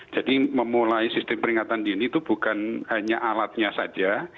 jadi memulai sistem peringatan dini itu bukan hanya alatnya saja